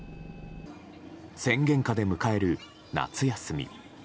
宣言下で迎える夏休み。